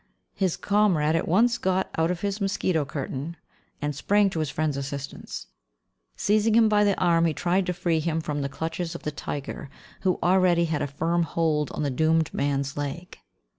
His comrade at once got out of his mosquito curtain, and sprang to his friend's assistance. Seizing him by the arm, he tried to free him from the clutches of the tiger, who already had a firm hold of the doomed man's leg.